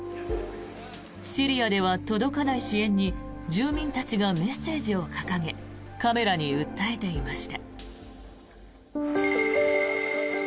シリアでは、届かない支援に住民たちがメッセージを掲げカメラに訴えていました。